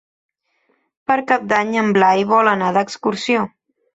Per Cap d'Any en Blai vol anar d'excursió.